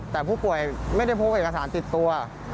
แต่ผู้ป่วยไม่ได้พกเอกสารติดตัว